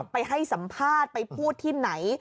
ไปให้สัมภาษณ์ไปพูดที่ไหน